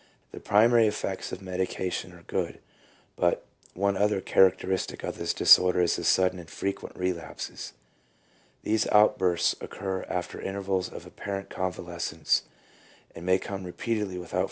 The primary effects of medi cation are good, but one other characteristic of this disorder is the sudden and frequent relapses. s These outbursts occur after intervals of apparent convales cence, and may come repeatedly without further indulgence in alcohol.